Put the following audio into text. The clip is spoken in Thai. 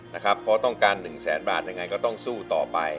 เพราะต้องการ๑แสนบาทยังไงก็ต้องสู้ต่อไป